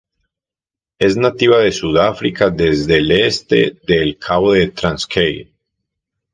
Es nativa de Sudáfrica desde el este de El Cabo a Transkei.